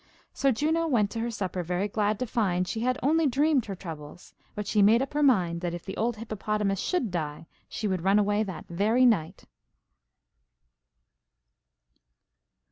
So Juno went to her supper very glad to find she had only dreamed her troubles; but she made up her mind that if the old hippopotamus should die, she would run away that very night.